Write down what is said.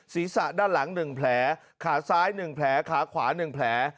ศีรษะด้านหลัง๑แผลขาซ้าย๑แผลขาขวา๑แผล